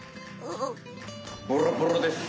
ボロボロです。